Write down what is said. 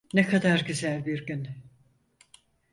Ne kadar güzel bir gün.